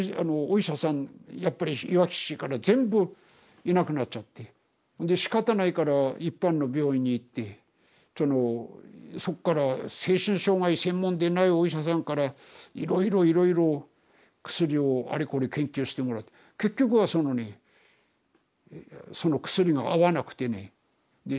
やっぱりいわき市から全部いなくなっちゃってでしかたないから一般の病院に行ってそのそっから精神障害専門でないお医者さんからいろいろいろいろ薬をあれこれ研究してもらって結局はそのねその薬が合わなくてねで死んでしまうんですよ。